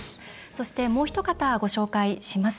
そして、もうひと方ご紹介します。